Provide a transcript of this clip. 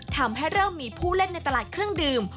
ทำให้เริ่มมีผู้เล่นในตลาดเครื่องดื่ม